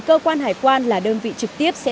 cơ quan hải quan là đơn vị trực tiếp sẽ